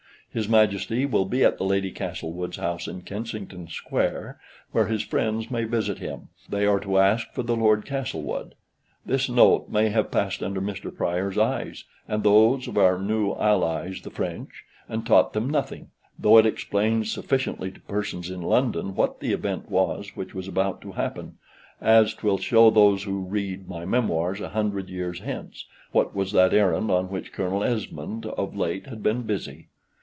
His Majesty will be at the Lady Castlewood's house in Kensington Square, where his friends may visit him; they are to ask for the Lord Castlewood. This note may have passed under Mr. Prior's eyes, and those of our new allies the French, and taught them nothing; though it explains sufficiently to persons in London what the event was which was about to happen, as 'twill show those who read my memoirs a hundred years hence, what was that errand on which Colonel Esmond of late had been busy.